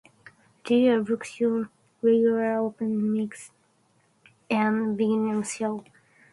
There are booked shows, regular open mics and "bringer" shows.